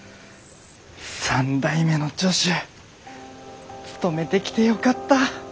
３代目の助手務めてきてよかった！